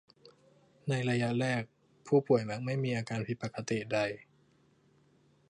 ในระยะแรกผู้ป่วยมักไม่มีอาการผิดปกติใด